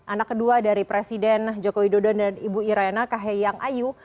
anak kedua dari presiden joko widodo dan ibu irena kaheyang ayu